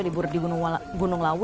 libur di gunung lawu